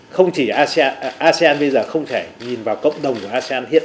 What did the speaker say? không chỉ asean bây giờ không thể nhìn vào cộng đồng của asean hiện nay